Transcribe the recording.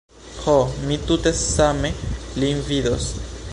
Ho, mi tute same lin vidos.